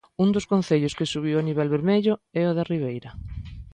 Un dos concellos que subiu a nivel vermello é o de Ribeira.